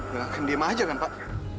nggak akan diem aja kan pak